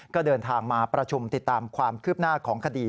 ก็เดินทางมาประชุมติดตามความคืบหน้าของคดี